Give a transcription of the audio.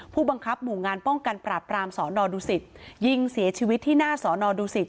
ที่ควังคับหมู่งานป้องกันปราบปรามสดศิษย์ยิงเสียชีวิตที่หน้าสดศิษย์